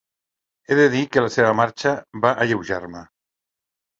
He de dir que la seva marxa va alleujar-me.